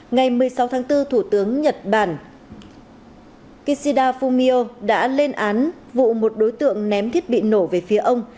ngày một mươi sáu tháng bốn thủ tướng nhật bản kishida fumio đã lên án vụ một đối tượng ném thiết bị nổ về phía ông